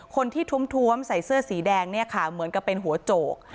คนที่ท้วมใส่เสื้อสีแดงเนี่ยค่ะเหมือนกับเป็นหัวโจก